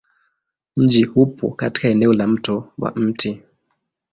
Mji upo katika eneo la Mto wa Mt.